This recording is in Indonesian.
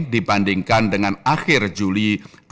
dibandingkan dengan akhir juli dua ribu dua puluh